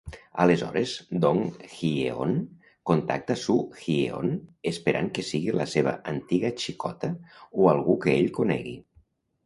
Aleshores Dong-hyeon contacta Soo-hyeon, esperant que sigui la seva antiga xicota o algú que ell conegui.